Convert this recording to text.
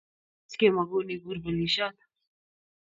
Much kemagun I kur polishiot